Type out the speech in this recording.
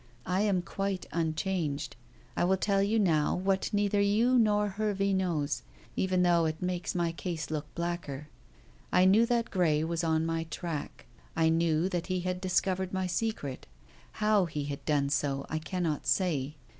I am quite unchanged. I will tell you now what neither you nor Hervey knows, even though it makes my case look blacker. I knew that Grey was on my track. I knew that he had discovered my secret. How he had done so I cannot say.